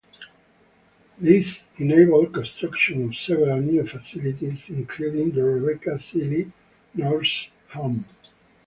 This enabled construction of several new facilities, including the Rebecca Sealy Nurses' home.